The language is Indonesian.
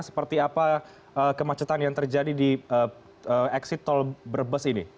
seperti apa kemacetan yang terjadi di exit tol brebes ini